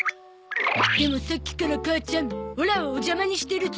でもさっきから母ちゃんオラをお邪魔にしてるゾ。